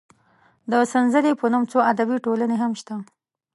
د سنځلې په نوم څو ادبي ټولنې هم شته.